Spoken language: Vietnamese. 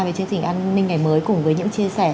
về chương trình an ninh ngày mới cùng với những chia sẻ